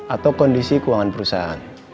atau kondisi keuangan perusahaan